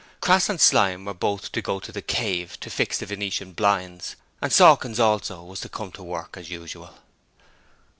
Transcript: Crass and Slyme were both to go to the 'Cave' to fix the venetian blinds, and Sawkins also was to come to work as usual.